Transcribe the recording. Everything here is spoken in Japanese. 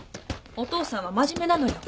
お父さんは真面目なのよ。